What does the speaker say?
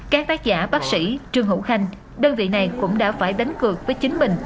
các tác giả bác sĩ trương hữu khanh đơn vị này cũng đã phải đánh cược với chính mình